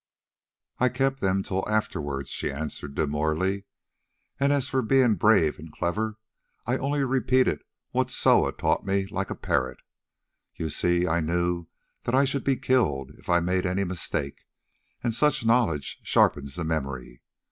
"I kept them till afterwards," she answered demurely. "And as for being brave and clever, I only repeated what Soa taught me like a parrot; you see I knew that I should be killed if I made any mistake, and such knowledge sharpens the memory.